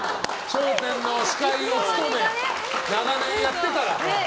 「笑点」の司会を務め長年やってたら。